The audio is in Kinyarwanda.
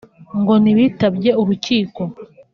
ngo ntibitabye urukiko